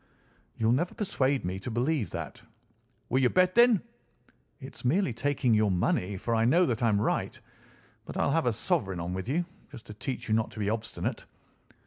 "You'll never persuade me to believe that." "Will you bet, then?" "It's merely taking your money, for I know that I am right. But I'll have a sovereign on with you, just to teach you not to be obstinate."